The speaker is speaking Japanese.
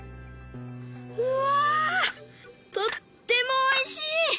うわとってもおいしい！